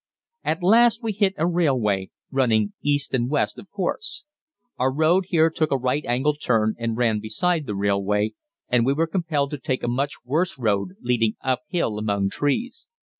At last we hit a railway, running east and west, of course. Our road here took a right angle turn and ran beside the railway, and we were compelled to take a much worse road leading uphill among trees.